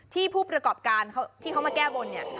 ที่ผู้ประกอบการที่ก็มาแก้วนเนี่ย